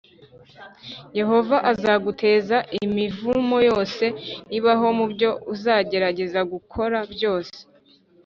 yehova azaguteza imivumoyose ibaho mu byo uzagerageza gukora byose,